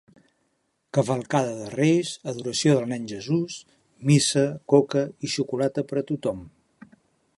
Cavalcada de Reis, adoració del nen Jesús, missa, coca i xocolata per a tothom.